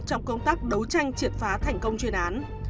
trong công tác đấu tranh triệt phá thành công chuyên án